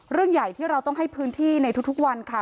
เรื่องใหญ่ที่เราต้องให้พื้นที่ในทุกวันค่ะ